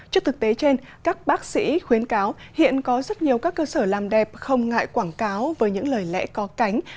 trước thực tế trên các bác sĩ khuyến cáo hiện có rất nhiều các cơ sở làm đẹp không ngại quảng cáo với những lời lẽ có cánh